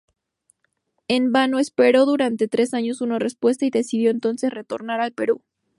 En vano esperó durante tres años una respuesta y decidió entonces retornar al Perú.